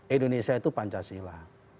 indonesia itu pancasila